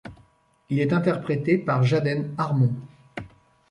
Il est interprété par Jaden Harmon.